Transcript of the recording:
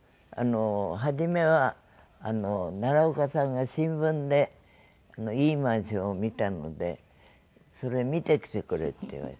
初めは奈良岡さんが新聞でいいマンションを見たので「それ見てきてくれ」って言われて。